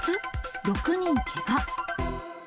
６人けが。